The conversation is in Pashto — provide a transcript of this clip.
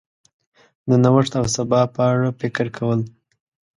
د نوښت او سبا په اړه فکر کول